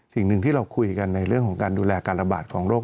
สิ่งหนึ่งที่เราคุยกันในเรื่องของการดูแลการระบาดของโรค